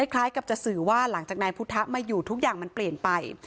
คล้ายกับจะสื่อว่าหลังจากนายพุทธมาอยู่ทุกอย่างมันเปลี่ยนไป